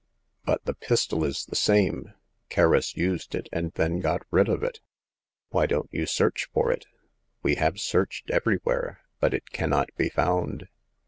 But the pistol is the same; Kerris used it, and then got rid of it." Why don't you search for it ?"'* We have searched everywhere, but it cannot be found."